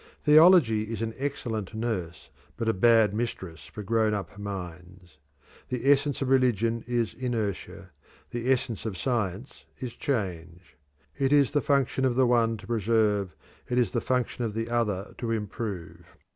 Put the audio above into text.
Theology is an excellent nurse, but a bad mistress for grown up minds. The essence of religion is inertia; the essence of science is change. It is the function of the one to preserve, it is the function of the other to improve.